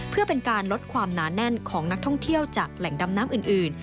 เพื่อเป็นการลดความหนาแน่นของนักท่องเที่ยวจากแหล่งดำน้ำอื่น